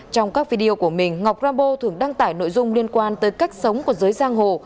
trong các video của mình ngọc rambo thường đăng tải nội dung liên quan tới cách sống của giới giang hồ